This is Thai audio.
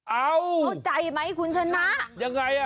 เอาเข้าใจไหมคุณชนะยังไงอ่ะ